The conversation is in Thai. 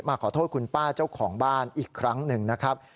ขอโทษคุณป้าเจ้าของบ้านอีกครั้งหนึ่งนะครับ